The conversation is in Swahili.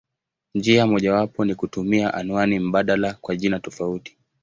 Njia mojawapo ni kutumia anwani mbadala kwa jina tofauti.